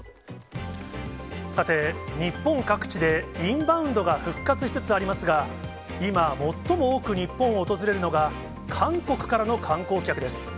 さて、日本各地でインバウンドが復活しつつありますが、今、最も多く日本を訪れるのが、韓国からの観光客です。